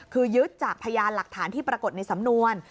คือยึดจากพยานหลักฐานที่ปรากฏในสำนวน